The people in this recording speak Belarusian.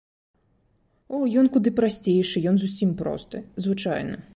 О, ён куды прасцейшы, ён зусім просты, звычайны.